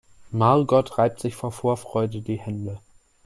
Margot reibt sich vor Vorfreude die Hände.